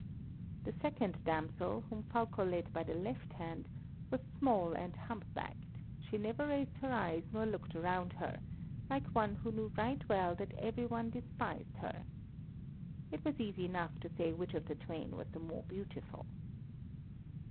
The second damsel, whom Fulko led by the left hand, was small and hump backed: she never raised her eyes nor looked around her, like one who knew right well that every one despised her. It was easy enough to say which of the twain was the more beautiful.